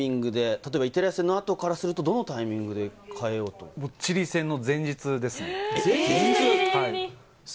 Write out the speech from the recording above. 例えばイタリア戦の後からすると、どのタイミチリ戦の前日ですね。